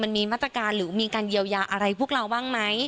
มันมีมาตรการหรือมีการเยียวยาอะไรพวกเราบ้างไหม